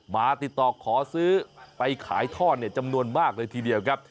มาติดต่อขอซื้อไปขายทอดจำนวนมากเลยทีเดียวครับ